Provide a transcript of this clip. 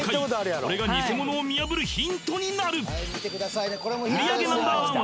これがニセモノを見破るヒントになる売上